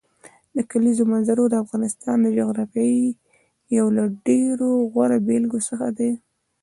د کلیزو منظره د افغانستان د جغرافیې یو له ډېرو غوره بېلګو څخه ده.